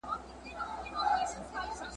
لس ډوله تعبیرونه وړاندي کړي !.